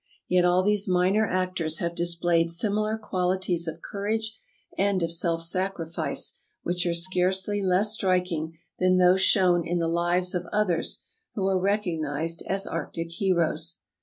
Yet all these minor actors have dis played similar qualities of courage and of self sacrifice which are scarcely less striking than those shown in the lives of others who are recognized as arctic heroes.